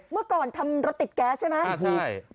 เมื่อก่อนทำรถติดแก๊สใช่ไหม